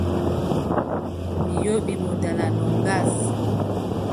Mi yoɓi mo dala noogas.